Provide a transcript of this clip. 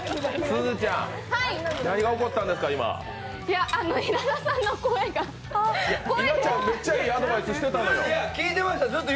稲ちゃん、めっちゃいいアドバイスしてたのよ。